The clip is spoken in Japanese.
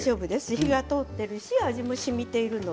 火が通っているし味もしみています。